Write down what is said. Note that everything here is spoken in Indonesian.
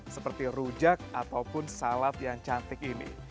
seperti rujak ataupun salad yang cantik ini